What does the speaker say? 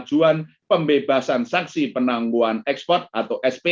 dan penyelenggaraan sistem pembayaran